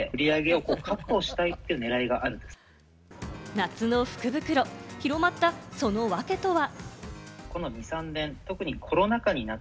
夏の福袋、広まったその訳とは？